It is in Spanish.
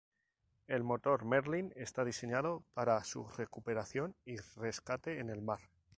El motor Merlín está diseñado para su recuperación y rescate en el mar.